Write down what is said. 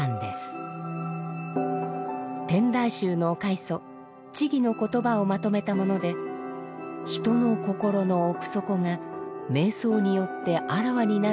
天台宗の開祖智の言葉をまとめたもので人の心の奥底が瞑想によってあらわになることをこう言い表しています。